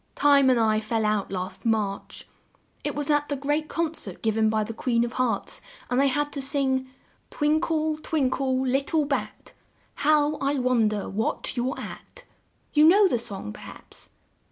"Time and I fell out last March. It was at the great con cert giv en by the Queen of Hearts and I had to sing: 'Twin kle, twin kle, lit tle bat! How I wonder what you're at!' You know the song, per haps?"